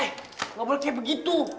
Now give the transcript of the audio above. eh gak boleh kayak begitu